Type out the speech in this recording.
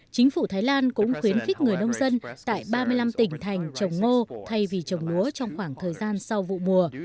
chính phủ thái lan cũng khuyến khích người nông dân tại ba mươi năm tỉnh thành trồng ngô thay vì trồng lúa trong khoảng thời gian sau vụ mùa